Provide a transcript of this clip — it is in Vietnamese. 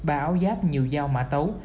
ba áo giáp nhiều dao mã tấu